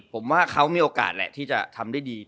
ผมว่าเขามีโอกาสแหละที่จะทำได้ดี